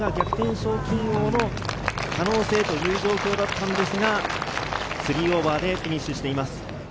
賞金王の可能性という状況だったんですが、＋３でフィニッシュしています。